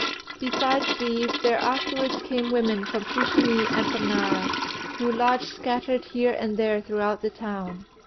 Besides these there afterwards came women from Fushimi and from Nara, who lodged scattered here and there throughout the town.